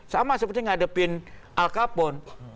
sama seperti menghadapi al capone